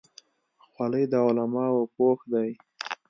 خولۍ د علماو پوښ دی.